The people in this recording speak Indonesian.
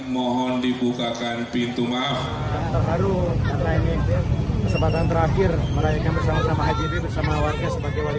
mohon dibukakan pintu maaf terakhir merayakan bersama sama haji bersama warga sebagai wali